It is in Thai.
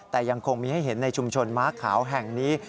แต่ยังคงมีให้เห็นในชุมชนม้าขาวแห่งนี้